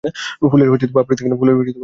ফুলের পাপড়ি থাকে না।